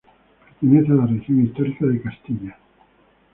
Pertenece a la región histórica de Castilla.